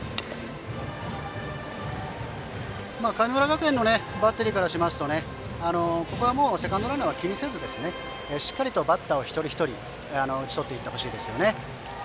神村学園のバッテリーはここはもうセカンドランナーは気にせずしっかりとバッターを一人一人打ち取っていってほしいですね。